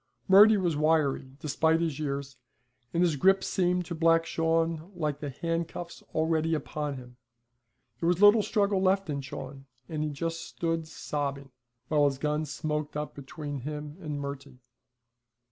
Murty was wiry, despite his years, and his grip seemed to Black Shawn like the handcuffs already upon him. There was little struggle left in Shawn, and he just stood sobbing, while his gun smoked up between him and Murty.